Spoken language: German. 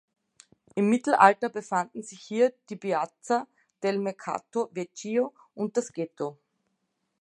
Im Mittelalter befanden sich hier die Piazza del Mercato Vecchio und das Ghetto.